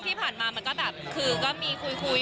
ที่ผ่านมามันก็แบบคือก็มีคุย